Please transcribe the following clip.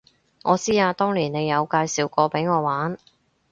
我知啊，當年你有介紹過畀我玩